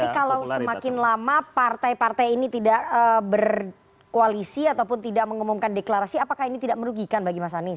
tapi kalau semakin lama partai partai ini tidak berkoalisi ataupun tidak mengumumkan deklarasi apakah ini tidak merugikan bagi mas anies